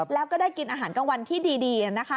แล้วก็ได้กินอาหารกลางวันที่ดี